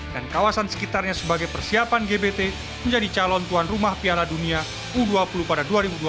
dan kawasan sekitarnya sebagai persiapan gbt menjadi calon tuan rumah piala dunia u dua puluh pada dua ribu dua puluh tiga